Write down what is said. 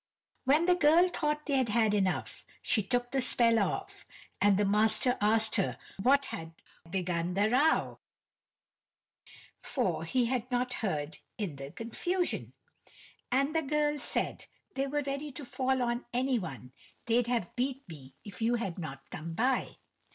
When the girl thought they had had enough she took the spell off, and the master asked her what had begun the row, for he had not heard in the confusion. And the girl said: "They were ready to fall on any one; they'd have beat me if you had not come by."